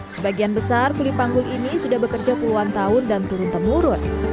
sebagian besar kuli panggul ini sudah bekerja puluhan tahun dan turun temurun